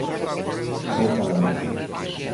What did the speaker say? Vou cara a dereita.